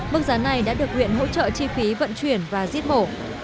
mức giá này đã được huyện hỗ trợ chi phí vận chuyển và giết mổ